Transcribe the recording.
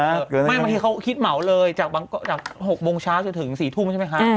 ไม่บางทีเขาคิดเหมาเลยจาก๖โมงเช้าจนถึง๔ทุ่มใช่ไหมคะ